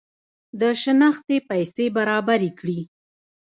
د شنختې پیسې برابري کړي.